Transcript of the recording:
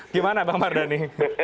gimana bang mardani